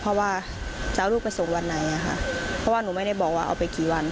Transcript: เพราะว่าจะเอาลูกไปส่งวันไหนค่ะเพราะว่าหนูไม่ได้บอกว่าเอาไปกี่วัน